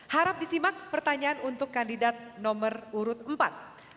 harap disimak pertanyaan untuk kandidat nomor urut empat